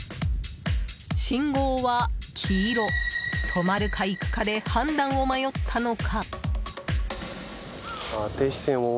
信号は黄色、止まるか行くかで判断を迷ったのか。